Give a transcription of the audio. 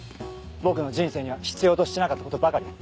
僕の人生には必要としてなかったことばかりだ。